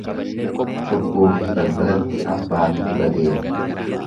Cubbuufi balbalatti abbaatu dura adeema.